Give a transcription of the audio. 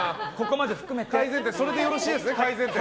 それでよろしいですね、改善点。